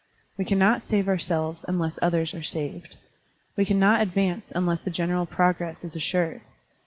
We cannot save our selves tmless others are saved. We cannot advance unless the general progress is assured.